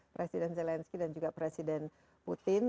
presiden zelensky dan juga presiden putin